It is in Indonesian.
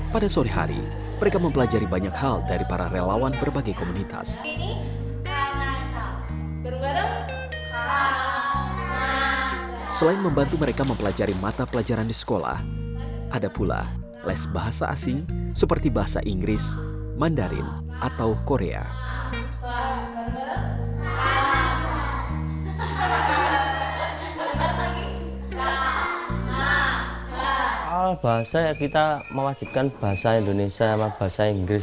saya melihat ketika saya disini disambut sangat baik sama adik adik saya misalkan saya pun seminggu